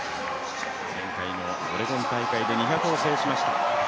前回のオレゴン大会で２００を制しました。